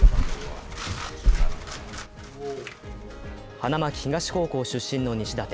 花巻東高校出身の西舘。